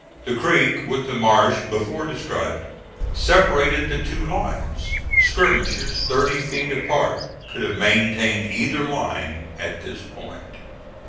The creek with the marsh before described, separated the two lines. Skirmishers thirty feet apart could have maintained either line at this point.